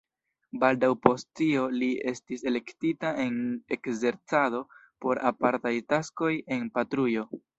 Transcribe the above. Baldaŭ post tio li estis elektita en ekzercado por apartaj taskoj en patrujo.